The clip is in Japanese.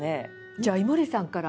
じゃあ井森さんから。